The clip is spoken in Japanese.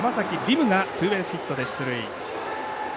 夢がツーベースヒットで出塁。